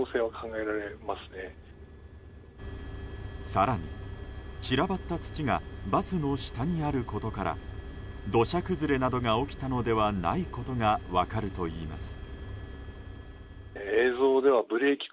更に、散らばった土がバスの下にあることから土砂崩れなどが起きたのではないことが分かるといいます。